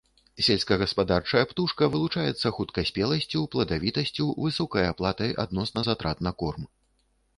Сельскагаспадарчая птушка вылучаецца хуткаспеласцю, пладавітасцю, высокай аплатай адносна затрат на корм.